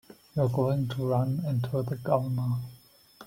You're going to run into the Governor.